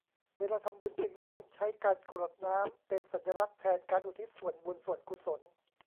เวลาทำบุญจึงนิยมใช้การกรวดน้ำเป็นสัญลักษณ์แทนการอุทิศส่วนบุญส่วนกุศล